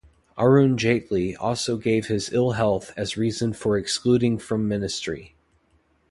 Arun Jaitley also gave his ill health as reason for excluding from ministry.